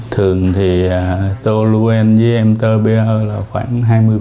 thường thì toluen với mtbe là khoảng hai mươi